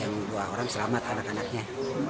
yang dua orang selamat anak anaknya